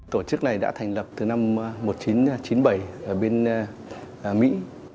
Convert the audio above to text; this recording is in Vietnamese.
tổ chức này đã thành lập từ năm một nghìn chín trăm chín mươi bảy ở bên mỹ